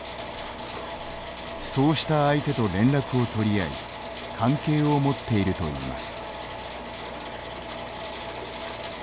そうした相手と連絡を取り合い関係を持っているといいます。